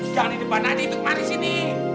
jangan di depan aja itu kemari sini